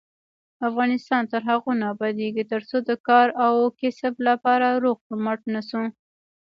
افغانستان تر هغو نه ابادیږي، ترڅو د کار او کسب لپاره روغ رمټ نشو.